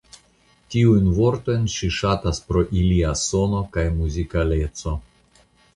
Tiujn vortojn ŝi ŝatas pro ilia sono kaj muzikaleco.